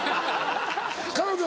彼女。